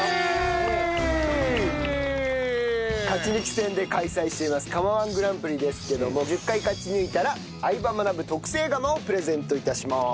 勝ち抜き戦で開催しています釜−１グランプリですけども１０回勝ち抜いたら『相葉マナブ』特製釜をプレゼント致します。